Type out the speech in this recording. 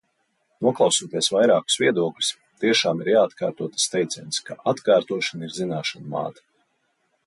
Noklausoties vairākus viedokļus, tiešām ir jāatkārto tas teiciens, ka atkārtošana ir zināšanu māte.